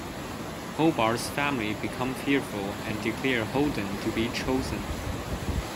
Hobart's family become fearful and declare Holden to be "chosen".